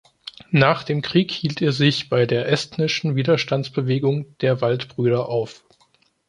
Nach dem Krieg hielt er sich bei der estnischen Widerstandsbewegung der Waldbrüder auf.